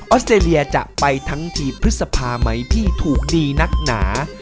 อสเตรเลียจะไปทั้งทีพฤษภาไหมที่ถูกดีนักหนา